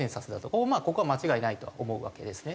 ほぼまあここは間違いないとは思うわけですね。